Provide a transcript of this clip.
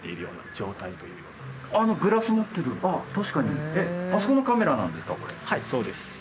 はいそうです。